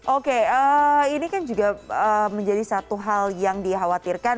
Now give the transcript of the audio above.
oke ini kan juga menjadi satu hal yang dikhawatirkan